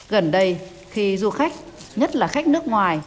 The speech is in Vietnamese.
gần đây khi du khách nhất là khách nước ngoài